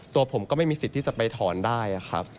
ตัวผมก็ไม่มีสิทธิ์ที่จะไปถอนได้ครับ